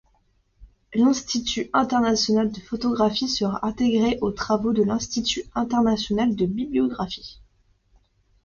L’Institut international de photographie sera intégré aux travaux de l’Institut international de bibliographie.